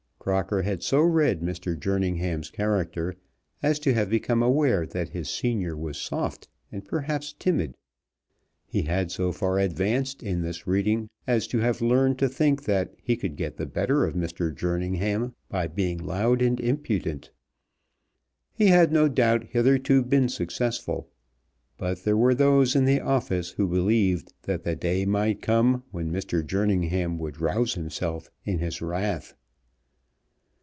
Crocker had so read Mr. Jerningham's character as to have become aware that his senior was soft, and perhaps timid. He had so far advanced in this reading as to have learned to think that he could get the better of Mr. Jerningham by being loud and impudent. He had no doubt hitherto been successful, but there were those in the office who believed that the day might come when Mr. Jerningham would rouse himself in his wrath.